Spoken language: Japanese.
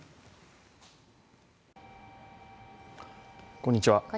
こんにちは。